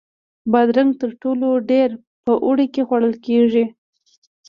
بادرنګ تر ټولو ډېر په اوړي کې خوړل کېږي.